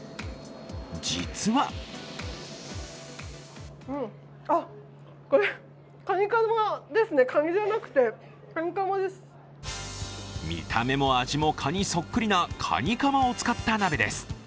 実は見た目も味もカニそっくりなカニカマを使った鍋です。